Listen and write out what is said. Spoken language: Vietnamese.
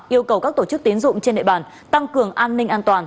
yêu cầu các tổ chức tiến dụng trên địa bàn tăng cường an ninh an toàn